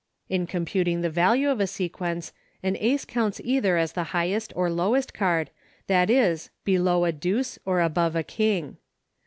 [In computing the value of a sequence, an ace counts either as the highest or lowest card, that is, below a deuce or above a king.